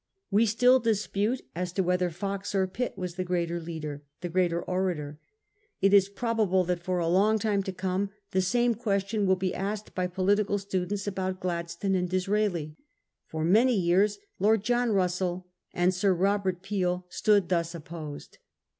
We still dispute as to whether Fox or Pitt was the greater leader, the greater orator ; it is probable that for a long time to come the same question will be asked by political students about Gladstone and Disraeli. For many years Lord John Russell and Sir Robert Peel stood thus opposed.